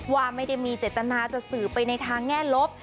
ว่าไม่ได้มีเจตนาจะสื่อไปในทางแง่ลบ